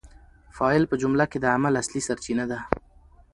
فاعل په جمله کي د عمل اصلي سرچینه ده.